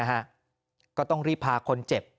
มันมีปืน